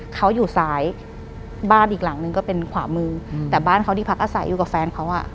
เขาอยู่ซ้ายบ้านอีกหลังนึงก็เป็นขวามือแต่บ้านเขาที่พักอาศัยอยู่กับแฟนเขาอ่ะ